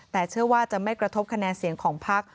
แต่เชื่อว่าจะไม่กระทบคะแนนเสียงของพัก